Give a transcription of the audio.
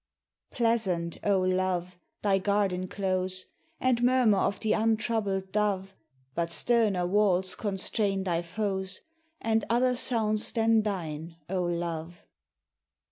Pleasant, O Love, thy garden close And murmur of the untroubled dove, But sterner walls constrain thy foes, And other sounds than thine, O Love!